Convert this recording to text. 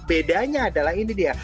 bedanya adalah ini dia